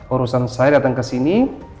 urusan saya datang ke sini